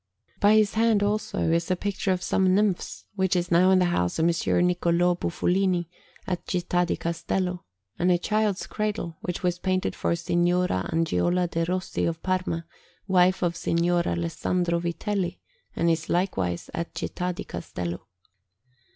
By his hand, also, is a picture of some nymphs, which is now in the house of Messer Niccolò Bufolini at Città di Castello, and a child's cradle, which was painted for Signora Angiola de' Rossi of Parma, wife of Signor Alessandro Vitelli, and is likewise at Città di Castello.